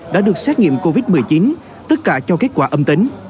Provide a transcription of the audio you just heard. đã được xét nghiệm covid một mươi chín tất cả cho kết quả âm tính